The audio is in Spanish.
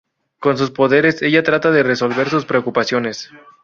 Con sus poderes, ella trata de resolver sus preocupaciones.